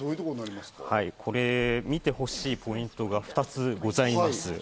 見てほしいポイントが２つございます。